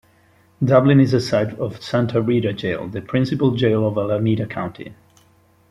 Dublin is the site of Santa Rita Jail, the principal jail for Alameda County.